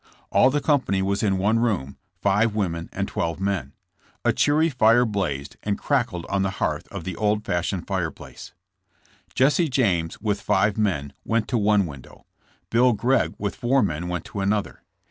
All the company was in one room, five women and twelve men. A cheery fire blazed and crackled on the hearth of the old fashioned fire place. Jesse James, with five men, went to one window. Bill Gregg, with four men, went to another.